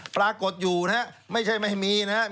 ปรากฏอยู่นะครับไม่ใช่ไม่มีนะครับ